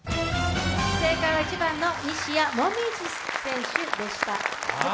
正解は１番の西矢椛選手でした。